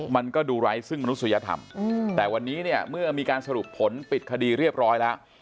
มันก็ดูไร้ซึ่งมนุษยธรรมแต่วันนี้เนี่ยเมื่อมีการสรุปผลปิดคดีเรียบร้อยแล้ว